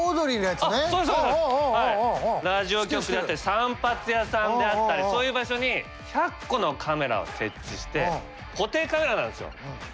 散髪屋さんであったりそういう場所に１００個のカメラを設置して固定カメラなんですよ。